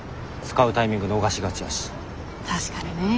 確かにね。